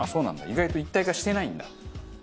意外と一体化してないんだ。